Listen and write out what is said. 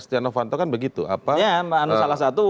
setia novanto kan begitu apa ya salah satu